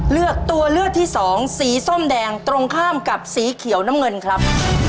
เลือกตัวเลือกที่สองสีส้มแดงตรงข้ามกับสีเขียวน้ำเงินครับ